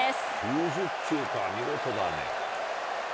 ９０球か、見事だね。